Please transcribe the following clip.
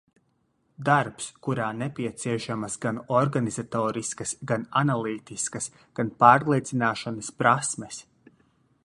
Darbs, kurā nepieciešamas gan organizatoriskas, gan analītiskas, gan pārliecināšanas prasmes.